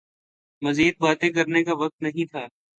مزید باتیں کرنے کا وقت نہیں تھا